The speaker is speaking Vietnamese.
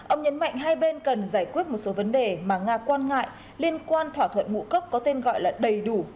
ông nhấn mạnh hai bên cần giải quyết một số vấn đề mà nga quan ngại liên quan thỏa thuận ngũ cốc có tên gọi là đầy đủ